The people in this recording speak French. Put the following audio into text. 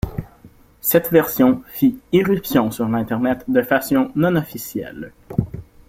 Cette version fit irruption sur Internet de façon non officielle.